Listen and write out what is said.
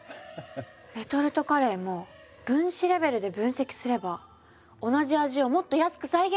レトルトカレーも分子レベルで分析すれば同じ味をもっと安く再現できちゃうってことですよね？